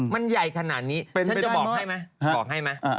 มันใหญ่ขนาดนี้ฉันจะบอกให้ไหม